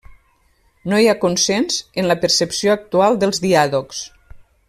No hi ha consens en la percepció actual dels diàdocs.